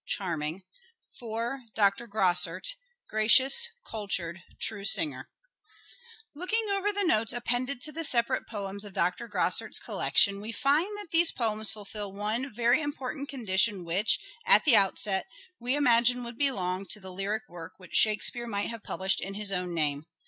Charming. 4. Dr. Grosart. Gracious, cultured, true singer. Oxford's Looking over the notes appended to the separate early poetry, poems of Dr Grosart's collection we find that these poems fulfil one very important condition which, at the outset, we imagined would belong to the lyric work which Shakespeare might have published in his own name.